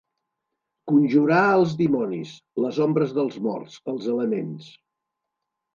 Conjurar els dimonis, les ombres dels morts, els elements.